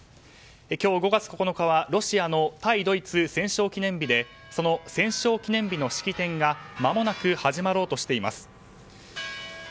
今日５月９日はロシアの対ドイツ戦勝記念日でその戦勝記念日の式典がまもなく始まろうとしています。